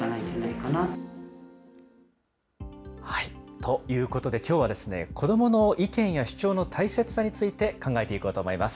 ということで、きょうは子どもの意見や主張の大切さについて考えていこうと思います。